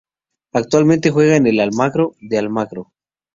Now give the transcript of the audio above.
Actualmente juega en Almagro de Almagro.